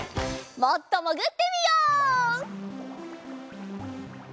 もっともぐってみよう！